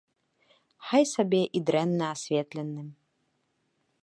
Хай сабе і дрэнна асветленым.